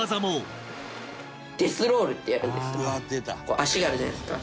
足があるじゃないですか。